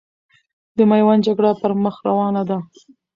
د میوند جګړه پرمخ روانه ده.